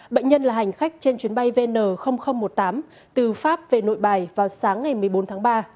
bệnh nhân là hành khách trên chuyến bay vn một mươi tám từ pháp về nội bài vào sáng ngày một mươi bốn tháng ba